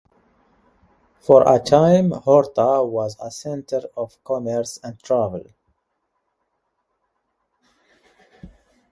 For a time, Horta was a center of commerce and travel.